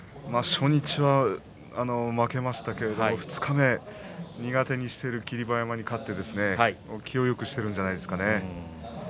初日は負けましたけれど二日目、苦手にしている霧馬山に勝って気をよくしているんじゃないですかね。